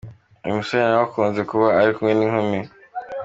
Uyu musore nawe akunze kuba ari kumwe n’inkumi.